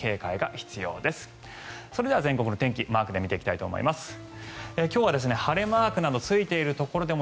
それでは全国の天気をマークで見ていきたいと思います。